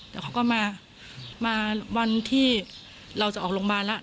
แล้วเขาก็มาวันที่เราจะออกโรงพยาบาลแล้ว